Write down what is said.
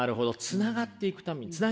つなげていくために。